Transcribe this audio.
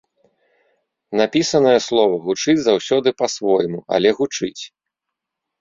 Напісанае слова гучыць заўсёды, па-свойму, але гучыць.